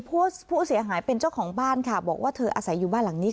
ผู้เสียหายเป็นเจ้าของบ้านค่ะบอกว่าเธออาศัยอยู่บ้านหลังนี้